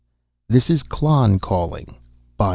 _ this is klon calling _by